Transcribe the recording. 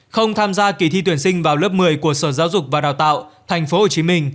không tham gia kỳ thi tuyển sinh vào lớp một mươi của sở giáo dục và đào tạo tp hcm